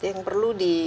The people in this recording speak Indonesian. yang perlu di